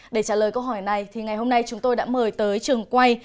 để trả lời câu hỏi này ngày hôm nay chúng tôi đã mời tới trường quay